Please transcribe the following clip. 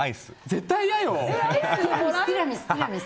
絶対嫌よ！